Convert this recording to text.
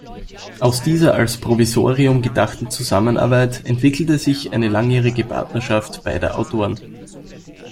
Aus dieser als Provisorium gedachten Zusammenarbeit entwickelte sich eine langjährige Partnerschaft beider Autoren.